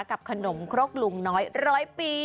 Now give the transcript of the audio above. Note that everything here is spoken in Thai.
กับขนมครกลุงน้อยร้อยปี